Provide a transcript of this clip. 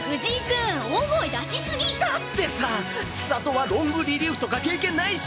だってさ千里はロングリリーフとか経験ないし。